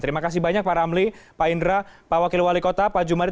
terima kasih banyak pak ramli pak indra pak wakil wali kota pak jumari